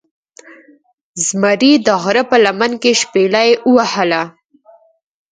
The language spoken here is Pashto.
زمرې دغره په لمن کې شپیلۍ وهله